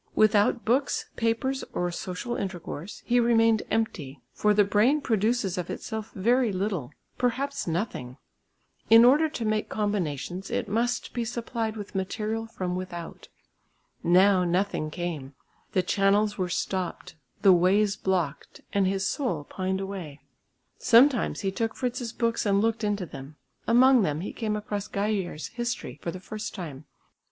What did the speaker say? Without books, papers or social intercourse, he remained empty; for the brain produces of itself very little, perhaps nothing; in order to make combinations it must be supplied with material from without. Now nothing came; the channels were stopped, the ways blocked, and his soul pined away. Sometimes he took Fritz's books and looked into them; among them he came across Geijer's History for the first time.